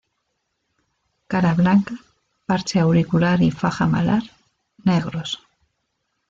Cara blanca, parche auricular y faja malar, negros.